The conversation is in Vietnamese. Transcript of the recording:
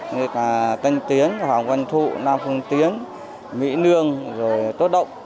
như là tân tiến hoàng văn thụ nam phương tiến mỹ nương rồi tốt động